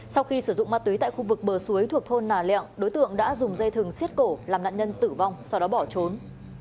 sau khi sử dụng ma túy tại khu vực bờ suối thuộc thôn nà lẹo đối tượng đã dùng dây thừng xiết cổ làm nạn nhân tử vong sau đó bỏ trốn